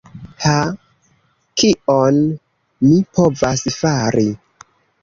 Ha... kion mi povas fari.